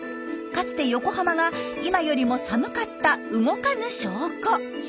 かつて横浜が今よりも寒かった動かぬ証拠。